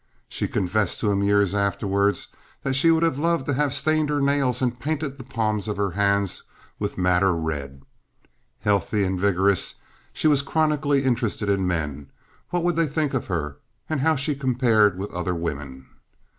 She confessed to him years afterward that she would have loved to have stained her nails and painted the palms of her hands with madder red. Healthy and vigorous, she was chronically interested in men—what they would think of her—and how she compared with other women.